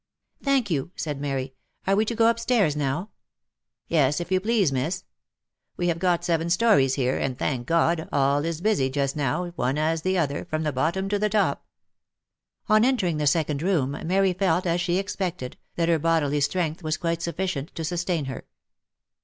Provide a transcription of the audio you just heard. " Thank you," said Mary. " Are we to go up stairs now V (i Yes, if you please, miss. We have got seven stories here, and, thank God, all is busy just now, one as the other, from the bottom to the top." On entering the second room Mary felt, as she expected, that her bodily strength was quite sufficient to sustain her.